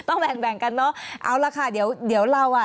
ต้องแบ่งกันเอาละค่ะเดี๋ยวเรา